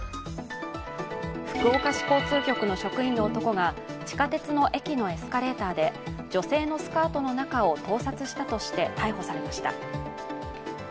福岡市交通局の職員の男が、地下鉄の駅のエスカレーターで女性のスカートの中を盗撮したとして逮捕されました。